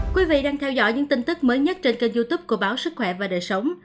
quý vị đang theo dõi những tin tức mới nhất trên kênh youtube của báo sức khỏe và đời sống